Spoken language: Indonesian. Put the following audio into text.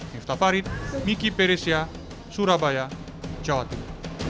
di depan miki peresia surabaya jatim